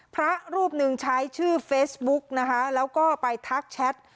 พระรูปหนึ่งใช้ชื่อเฟซบุ๊กนะคะแล้วก็ไปทักแชท